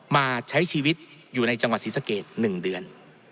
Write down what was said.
มาใช้ชีวิตอยู่ในจังหวัดศรีสะเกด๑เดือน